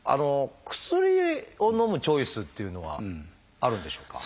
薬をのむチョイスっていうのはあるんでしょうか？